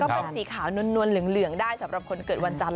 เป็นสีขาวนวลเหลืองได้สำหรับคนเกิดวันจันทร์